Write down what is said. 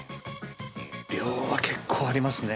量は結構ありますね。